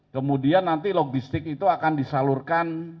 kemudian nanti logistik itu akan disalurkan